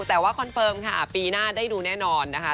แต่ว่าคอนเฟิร์มค่ะปีหน้าได้ดูแน่นอนนะคะ